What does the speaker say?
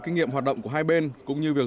kinh nghiệm hoạt động của hai bên cũng như việc